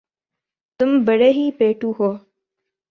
تم بڑے ہی پیٹُو ہو